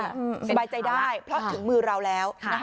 สบายใจได้เพราะถึงมือเราแล้ว